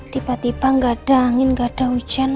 tiba tiba gak ada angin gak ada hujan